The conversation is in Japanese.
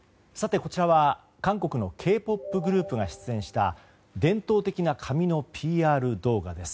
こちらは韓国のＫ‐ＰＯＰグループが出演した伝統的な紙のＰＲ動画です。